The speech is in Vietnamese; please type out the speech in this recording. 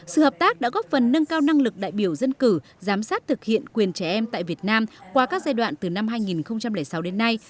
sự hợp tác đã góp phần nâng cao năng lực đại biểu dân cử giám sát thực hiện quyền trẻ em tại việt nam qua các giai đoạn từ năm hai nghìn sáu đến nay